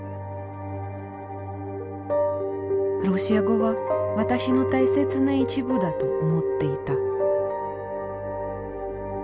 ロシア語は私の大切な一部だと思っていた。